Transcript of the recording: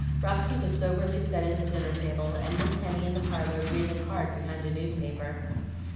Roxy was soberly setting the dinner table, and Miss Henny in the parlor breathing hard behind a newspaper.